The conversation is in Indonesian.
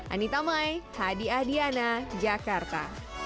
anita mai hadi ahdiana jakarta